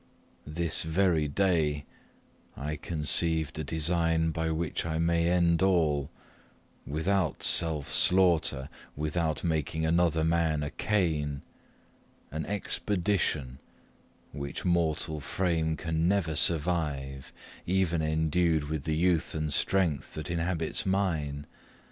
This very day I conceived a design by which I may end all without self slaughter, without making another man a Cain an expedition, which mortal frame can never survive, even endued with the youth and strength that inhabits mine.